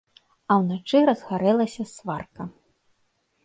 А ўначы разгарэлася сварка.